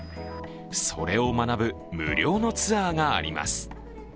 それを学ぶ無料のツアーがあります。